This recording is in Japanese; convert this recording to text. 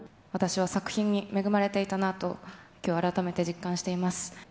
私は作品に恵まれていたなと、きょう改めて実感しています。